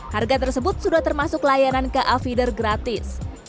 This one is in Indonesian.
harga tersebut sudah termasuk layanan ka feeder gratis